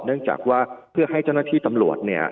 เนื่องจากว่าเพื่อให้เจ้าหน้าที่ตำรวจเนี่ย